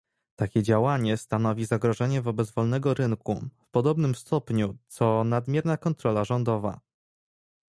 Takie działanie stanowi zagrożenie wobec wolnego rynku, w podobnym stopniu, co nadmierna kontrola rządowa